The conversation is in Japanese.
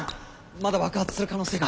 まだ爆発する可能性が。